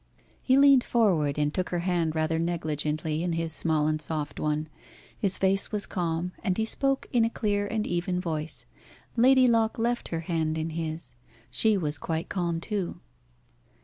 He leaned forward, and took her hand rather negligently in his small and soft one. His face was calm, and he spoke in a clear and even voice. Lady Locke left her hand in his. She was quite calm too.